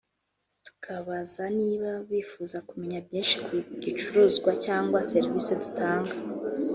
tukababaza niba bifuza kumenya byinshi ku gicuruzwa cyangwa serivisi dutanga